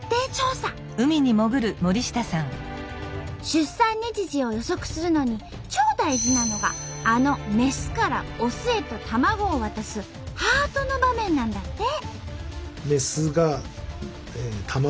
出産日時を予測するのに超大事なのがあのメスからオスへと卵を渡すハートの場面なんだって。